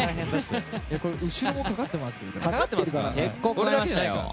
後ろもかかってますよ。